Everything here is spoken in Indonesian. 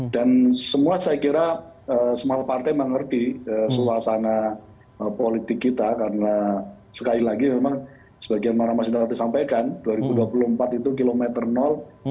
dan semua saya kira semua partai mengerti suasana politik kita karena sekali lagi memang sebagian mana mas indra tadi sampaikan dua ribu dua puluh empat itu kilometer nol